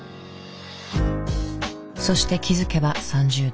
そして気付けば３０代。